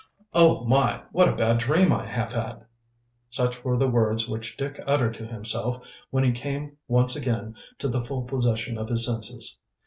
"Oh, my, what a bad dream I have had!" Such were the words which Dick uttered to himself when he came once again to the full possession of his senses.